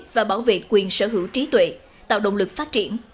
và bảo vệ quyền sở hữu trí tuệ tạo động lực phát triển